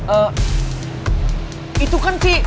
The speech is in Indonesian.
eh itu kan si